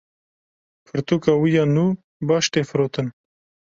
Pirtûka wî ya nû baş tê firotin.